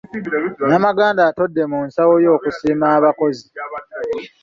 Namaganda atodde mu nsawo ye okusiima abakozi.